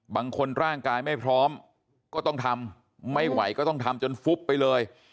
บางคนร่างกายไม่พร้อมก็ต้องทำไม่ไหวก็ต้องทำจนฟุบไปเลย